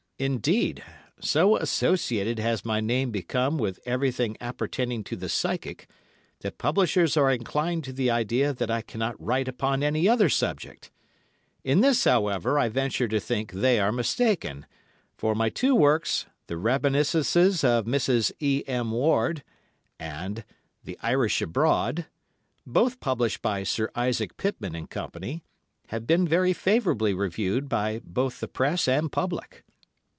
Indeed, so associated has my name become with everything appertaining to the psychic, that publishers are inclined to the idea that I cannot write upon any other subject. In this, however, I venture to think they are mistaken; for my two works, "The Reminiscences of Mrs. E. M. Ward" and "The Irish Abroad," both published by Sir Isaac Pitman & Co., have been very favourably received by both the Press and public.